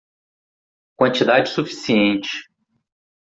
Quantidade suficiente